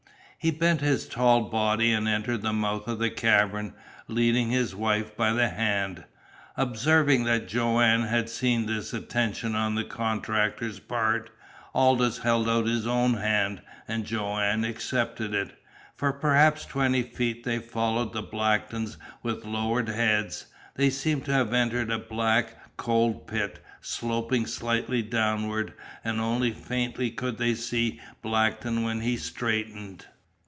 He bent his tall body and entered the mouth of the cavern, leading his wife by the hand. Observing that Joanne had seen this attention on the contractor's part, Aldous held out his own hand, and Joanne accepted it. For perhaps twenty feet they followed the Blacktons with lowered heads. They seemed to have entered a black, cold pit, sloping slightly downward, and only faintly could they see Blackton when he straightened.